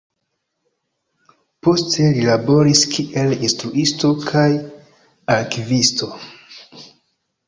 Poste li laboris kiel instruisto kaj arkivisto.